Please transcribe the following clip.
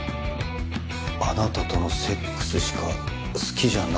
「あなたとのセックスしか好きじゃなかったのかも」。